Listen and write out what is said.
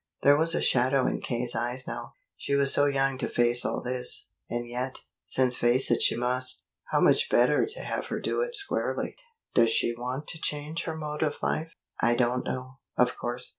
There was a shadow in K.'s eyes now. She was so young to face all this; and yet, since face it she must, how much better to have her do it squarely. "Does she want to change her mode of life?" "I don't know, of course.